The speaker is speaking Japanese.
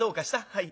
「はい。